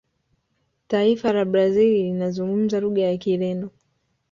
taifa la brazil linazungumza lugha ya kireno